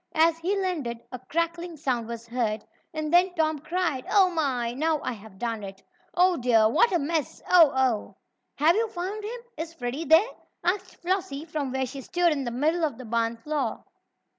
As he landed, a crackling sound was heard, and then Tom cried: "Oh, my! Now I have done it! Oh, dear! What a mess! Oh! Oh!" "Have you found him? Is Freddie there?" asked Flossie from where she stood in the middle of the barn floor.